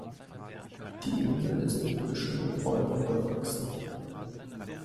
Die Insel ist mit Büschen und Bäumen bewachsen.